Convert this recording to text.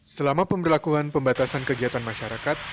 selama pemberlakuan pembatasan kegiatan masyarakat